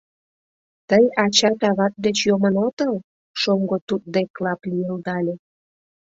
— Тый ачат-ават деч йомын отыл? — шоҥго туддек лап лийылдале.